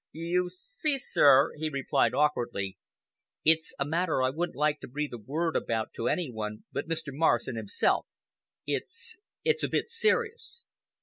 "You see, sir," he replied awkwardly, "it's a matter I wouldn't like to breathe a word about to any one but Mr. Morrison himself. It's—it's a bit serious."